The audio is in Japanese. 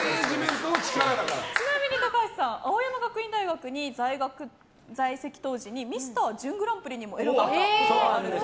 ちなみに高橋さんは青山学院大学に在籍当時にミスター準グランプリに輝いたこともあるそうです。